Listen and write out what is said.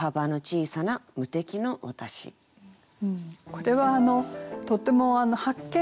これはとても発見ですね。